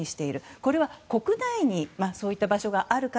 これは国内にそういった場所がある。